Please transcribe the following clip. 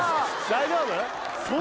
大丈夫？